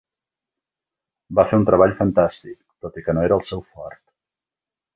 Va fer un treball fantàstic tot i que no era el seu fort.